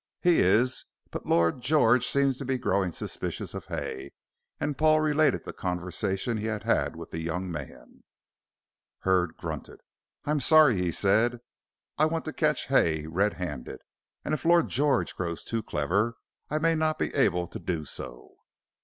"He is. But Lord George seems to be growing suspicious of Hay," and Paul related the conversation he had with the young man. Hurd grunted. "I'm sorry," he said. "I want to catch Hay red handed, and if Lord George grows too clever I may not be able to do so."